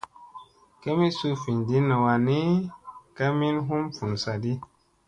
Kemi suu vinɗinna wan ni, ka min hum vun saaɗi.